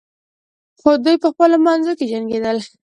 خو دوی په خپلو منځو کې جنګیدل.